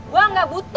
gue gak butuh